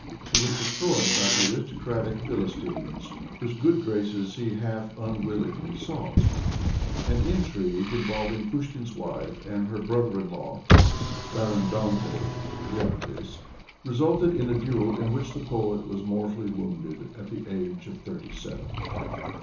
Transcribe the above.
He was destroyed by the aristocratic philistines whose good graces he half unwillingly sought An intrigue, involving Pushkin's wife and her brother in law. Baron Dant^s (D'Anth^s), resulted in a duel in which the poet was mortally wounded, at the age of thirty seven.